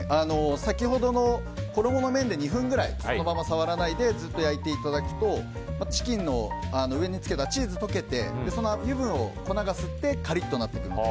先ほどの衣の面で２分ぐらいそのまま触らないでずっと焼いていただくとチキンの上につけたチーズが溶けてその油分を衣が吸ってカリッとなってくるので。